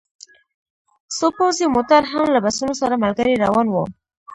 څو پوځي موټر هم له بسونو سره ملګري روان وو